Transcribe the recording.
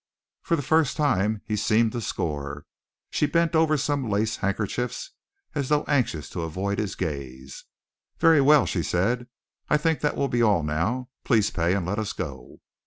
For the first time he seemed to score. She bent over some lace handkerchiefs, as though anxious to avoid his gaze. "Very well," she said, "I think that will be all now. Please pay, and let us go."